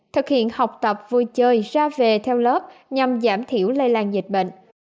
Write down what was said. thực hiện học tập vui chơi ra về theo lớp nhằm giảm thiểu lây lan dịch bệnh